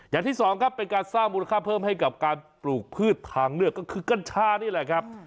อย่างที่สองครับเป็นการสร้างมูลค่าเพิ่มให้กับการปลูกพืชทางเลือกก็คือกัญชานี่แหละครับ